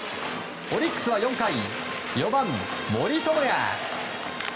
オリックスは４回４番、森友哉。